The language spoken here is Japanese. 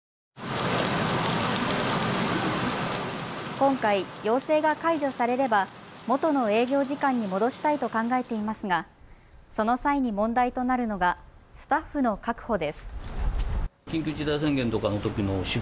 今回、要請が解除されればもとの営業時間に戻したいと考えていますがその際に問題となるのがスタッフの確保です。